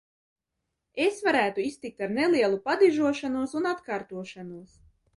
Es varētu iztikt ar nelielu padižošanos un atkārtošanos.